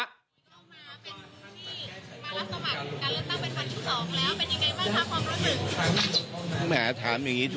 ก็ผมมาทางนี้ครั้งแรกน่ะนะ